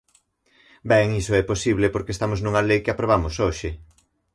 Ben, iso é posible porque estamos nunha lei que aprobamos hoxe.